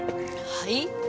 はい？